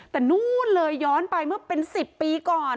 แต่นู่นเลยย้อนไปเมื่อเป็น๑๐ปีก่อน